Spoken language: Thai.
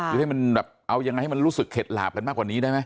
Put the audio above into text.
คือให้มันแบบเอายังไงให้มันรู้สึกเข็ดหลาบกันมากกว่านี้ได้ไหม